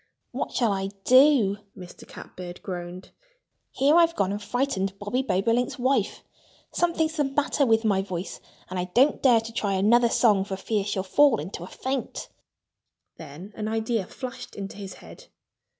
"What shall I do?" Mr. Catbird groaned. "Here I've gone and frightened Bobby Bobolink's wife! Something's the matter with my voice. And I don't dare to try another song for fear she'll fall into a faint." Then an idea flashed into his head.